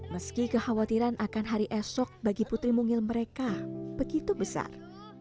meski kekhawatiran akan hari esok bagi putri mungil mereka begitu besar